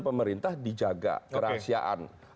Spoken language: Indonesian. pemerintah dijaga kerasiaan